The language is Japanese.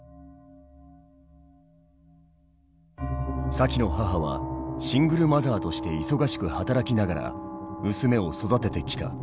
サキの母はシングルマザーとして忙しく働きながら娘を育ててきた。